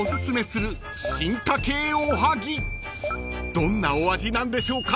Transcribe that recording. ［どんなお味なんでしょうか］